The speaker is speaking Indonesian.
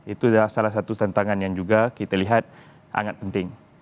itu adalah salah satu tantangan yang juga kita lihat sangat penting